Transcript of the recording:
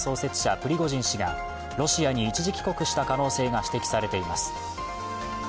プリゴジン氏がロシアに一時帰国した可能性が指摘されています。